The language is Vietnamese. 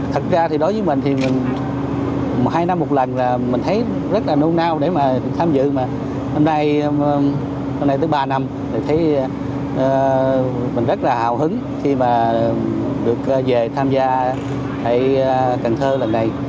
thật ra thì đối với mình thì hai năm một lần là mình thấy rất là nôn nao để mà tham dự mà hôm nay hôm nay tới ba năm thì thấy mình rất là hào hứng khi mà được về tham gia tại cần thơ lần này